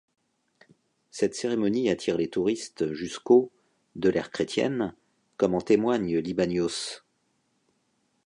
Cette cérémonie attire les touristes jusqu'au de l'ère chrétienne, comme en témoigne Libanios.